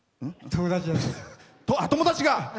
友達が。